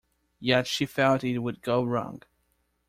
Yet she felt it would go wrong.